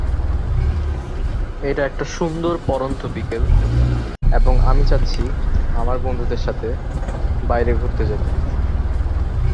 ভাইদের মধ্যে তিনি সবার ছোট ও অবিবাহিত ছিলেন।